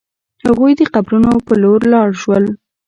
هغوی د قبرونو په لور لاړ شول.